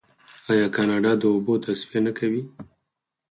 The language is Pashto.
آیا کاناډا د اوبو تصفیه نه کوي؟